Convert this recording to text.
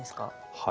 はい。